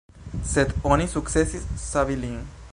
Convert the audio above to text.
Sed oni sukcesis savi lin.